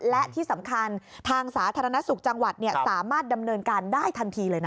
และที่สำคัญทางสาธารณสุขจังหวัดสามารถดำเนินการได้ทันทีเลยนะ